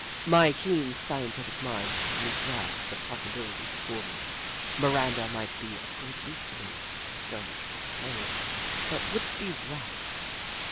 My keen scientific mind quickly grasped the possibility before me. Miranda might be of great use to me — so much was plain — but would it be right?